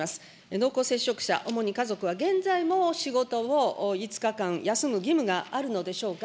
濃厚接触者、主に家族は現在も仕事を５日間休む義務があるのでしょうか。